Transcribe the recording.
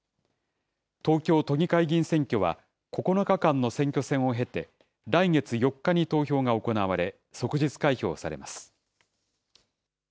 東京都議会議員選挙は、９日間の選挙戦を経て、来月４日に投票が行われ、即日開票されます。